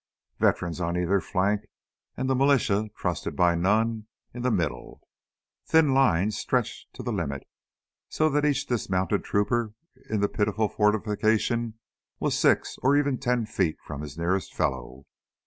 Veterans on either flank, and the militia, trusted by none, in the middle. Thin lines stretched to the limit, so that each dismounted trooper in that pitiful fortification was six or even ten feet from his nearest fellow.